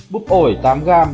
búp ổi tám g